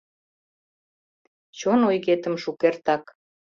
Чон ойгетым шукертак.